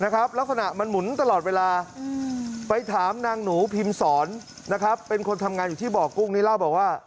ก็ว่าร่าจะถิงมา